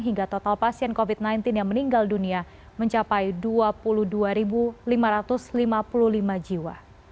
hingga total pasien covid sembilan belas yang meninggal dunia mencapai dua puluh dua lima ratus lima puluh lima jiwa